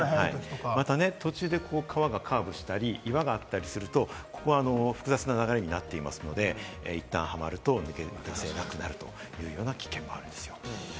途中で川がカーブしたり、岩があったりすると複雑な流れになっていますので、いったんはまると抜け出せなくなるというような危険もあるんですよ。